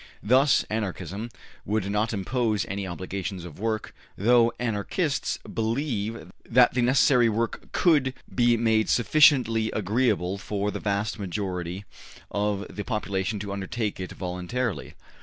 Thus Anarchism would not impose any OBLIGATIONS of work, though Anarchists believe that the necessary work could be made sufficiently agreeable for the vast majority of the population to undertake it voluntarily.